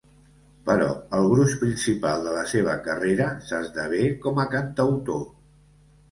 Però el gruix principal de la seva carrera s'esdevé com a cantautor.